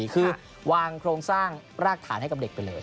คือวางโครงสร้างรากฐานให้กับเด็กไปเลย